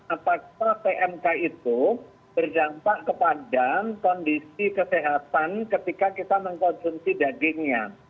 apakah pmk itu berdampak kepada kondisi kesehatan ketika kita mengkonsumsi dagingnya